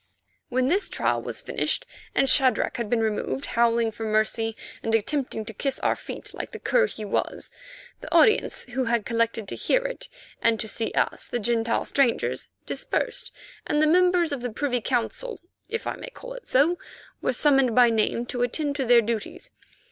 When this trial was finished and Shadrach had been removed, howling for mercy and attempting to kiss our feet like the cur he was, the audience who had collected to hear it and to see us, the Gentile strangers, dispersed, and the members of the Privy Council, if I may call it so, were summoned by name to attend to their duties.